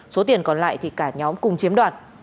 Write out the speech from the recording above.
số tiền còn lại thì cả nhóm cùng chiếm đoạt